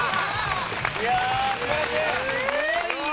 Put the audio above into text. いやすばらしい！